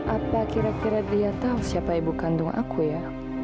apa kira kira dia tahu siapa ibu kandung aku ya